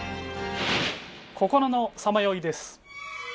心のさまよいです。